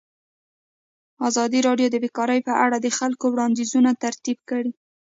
ازادي راډیو د بیکاري په اړه د خلکو وړاندیزونه ترتیب کړي.